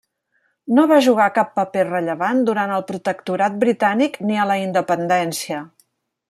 No va jugar cap paper rellevant durant el protectorat britànic ni a la independència.